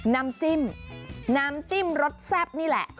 น้ำจิ้มน้ำจิ้มรสแซ่บนี่แหละ